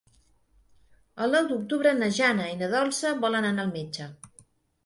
El nou d'octubre na Jana i na Dolça volen anar al metge.